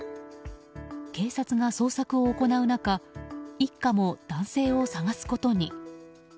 警察が捜索を行う中一家も男性を捜すことに。